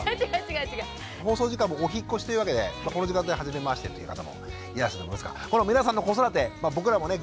放送時間もお引っ越しというわけでこの時間帯初めましてという方もいらっしゃると思いますがこの皆さんの子育て僕らもね